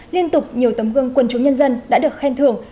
liên tục nhiều tấm gương quân chống nhân dân đã được khen thưởng